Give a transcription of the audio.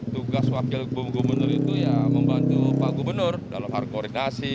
tugas wakil bum gubernur itu ya membantu pak gubernur dalam harga orinasi